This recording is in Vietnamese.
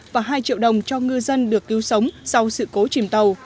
và hai triệu đồng cho ngư dân được cứu sống sau sự cố chìm tàu